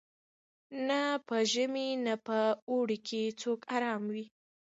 نه په ژمي نه په اوړي څوک آرام وو